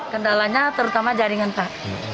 kendalanya terutama jaringan pak